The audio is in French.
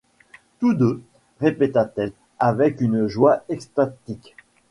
Tous deux! répéta-t-elle avec une joie extatique.